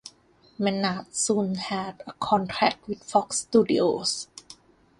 Maynard soon had a contract with Fox Studios.